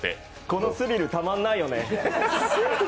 このスリル、たまんないよね